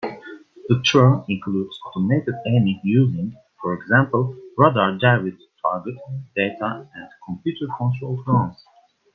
The term includes automated aiming using, for example, radar-derived target data and computer-controlled guns.